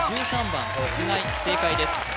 １３番つがい正解です